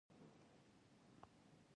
سیاستوال کله کله ښکرور دروغ وايي.